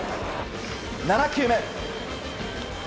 ７球目。